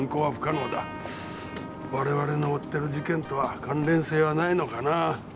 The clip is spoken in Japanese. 我々の追ってる事件とは関連性はないのかなぁ。